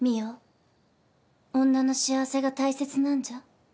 澪女の幸せが大切なんじゃ？